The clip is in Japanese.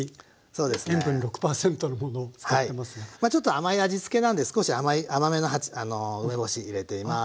まあちょっと甘い味つけなんで少し甘めの梅干し入れています。